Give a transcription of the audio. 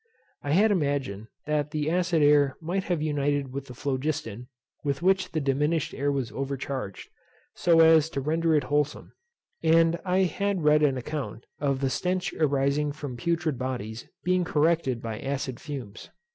I had imagined that the acid air might have united with the phlogiston with which the diminished air was overcharged, so as to render it wholsome; and I had read an account of the stench arising from putrid bodies being corrected by acid fumes.